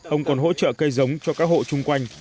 ông còn hỗ trợ cây giống cho các hộ chung quanh